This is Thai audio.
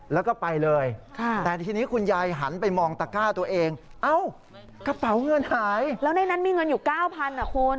แล้วในนั้นมีเงินอยู่๙๐๐๐อ่ะคุณ